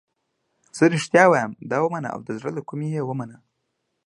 زه رښتیا وایم دا ومنه او د زړه له کومې یې ومنه.